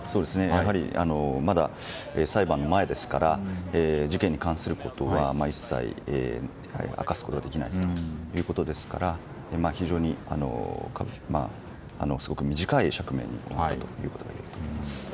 やはりまだ裁判の前ですから事件に関することは一切、明かすことができないということで非常にすごく短い釈明に終わったことがいえると思います。